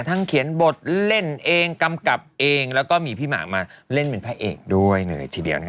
เขียนบทเล่นเองกำกับเองแล้วก็มีพี่หมากมาเล่นเป็นพระเอกด้วยเลยทีเดียว